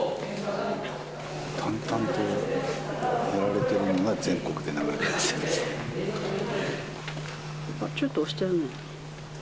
淡々とやられているのが、ちょっと押してる。